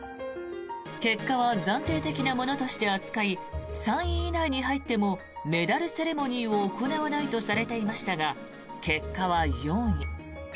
結果は暫定的なものとして扱い３位以内に入ってもメダルセレモニーを行わないとされていましたが結果は４位。